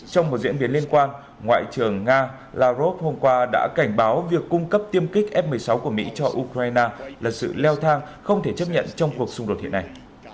trong một diễn biến liên quan ngoại trưởng nga lavrov hôm qua đã cảnh báo việc cung cấp tiêm kích f một mươi sáu của mỹ cho ukraine là sự leo thang không thể chấp nhận trong cuộc xung đột hiện nay